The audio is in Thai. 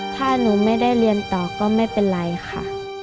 ถ้าหนูไม่ได้เรียนต่อก็ไม่เป็นไรค่ะ